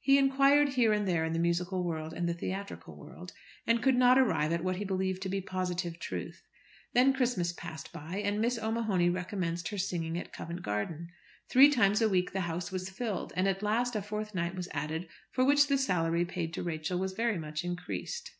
He inquired here and there in the musical world and the theatrical world, and could not arrive at what he believed to be positive truth. Then Christmas passed by, and Miss O'Mahony recommenced her singing at Covent Garden. Three times a week the house was filled, and at last a fourth night was added, for which the salary paid to Rachel was very much increased.